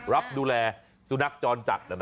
รับดูแลสุนัขจรจักรนะครับ